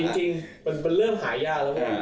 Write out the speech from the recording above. จริงมันเริ่มหายากแล้วไง